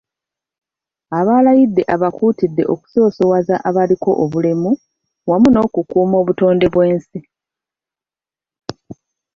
Abalayidde abakuutidde okusoosowaza abaliko obulemu wamu n’okukuuma obutonde bw’ensi.